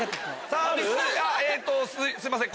すいません。